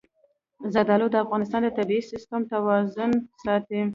زردالو د افغانستان د طبعي سیسټم توازن ساتي.